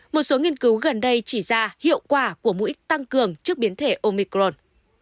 một số nghiên cứu gần đây chỉ ra hiệu quả của mũi tăng cường trước biến thể omicron